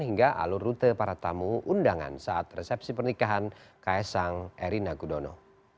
hingga alur rute para tamu undangan saat resepsi pernikahan kaisang erina gudono